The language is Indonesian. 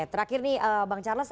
terakhir nih bang charles